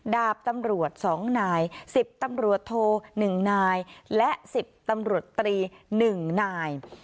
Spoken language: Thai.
ดาบตำรวจ๒นาย๑๐ตำรวจโท๑นายและ๑๐ตำรวจตรี๑นาย